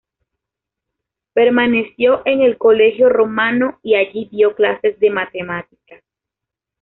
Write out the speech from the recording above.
Permaneció en el Colegio Romano y allí dio clases de matemáticas.